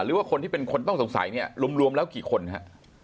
หรือว่าคนที่เป็นคนต้องสงสัยเนี่ยรวมแล้วกี่คนฮะ